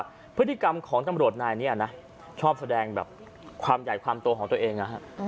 พฤติกรรมของตำรวจนายนี้นะชอบแสดงแบบความใหญ่ความโตของตัวเองนะฮะ